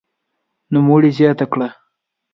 نوموړي زياته کړه